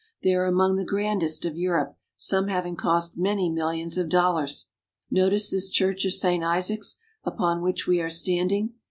They are among the grandest of Europe, some having cost many millions of dollars. Notice this church of Saint Isaac's, upon which we are standing.